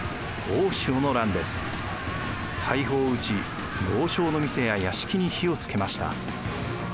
大砲を撃ち豪商の店や屋敷に火をつけました。